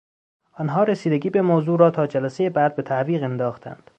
آنها رسیدگی به موضوع را تا جلسهی بعد به تعویق انداختند.